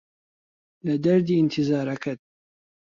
لە دەردی ئینتیزارەکەت